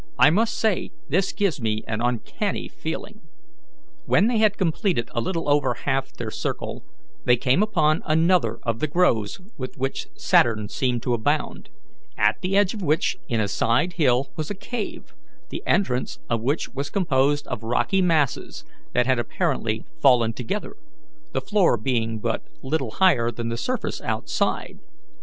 "I must say this gives me an uncanny feeling." When they had completed a little over half their circle, they came upon another of the groves with which Saturn seemed to abound, at the edge of which, in a side hill, was a cave, the entrance of which was composed of rocky masses that had apparently fallen together, the floor being but little higher than the surface outside.